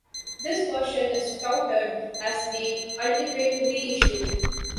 This version is touted as the "Ultimate Reissue".